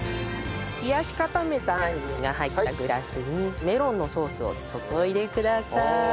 冷やし固めた杏仁が入ったグラスにメロンのソースを注いでください。